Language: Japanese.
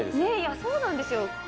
そうなんですよ。